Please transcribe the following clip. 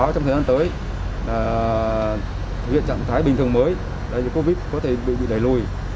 trong thời gian tới hiện trạng thái bình thường mới covid có thể bị đẩy lùi